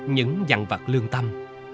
những dặn vặt lương tâm